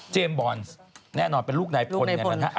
เจมส์บ่อนแน่นอนเป็นลูกในพลนะฮะ